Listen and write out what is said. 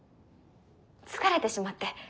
疲れてしまって。